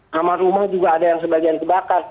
kamar rumah juga ada yang sebagian kebakar